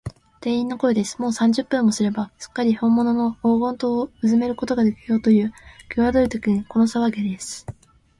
店員の声です。もう三十分もすれば、すっかりほんものの黄金塔をうずめることができようという、きわどいときに、このさわぎです。